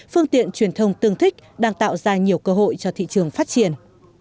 phương tiện truyền thông tương thích đang tạo ra nhiều cơ hội cho thị trường phát triển